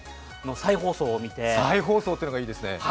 再放送っていうのがいいですね。